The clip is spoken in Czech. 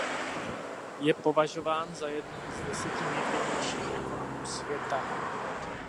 Je považován za jednoho z deseti nejvlivnějších ekonomů světa.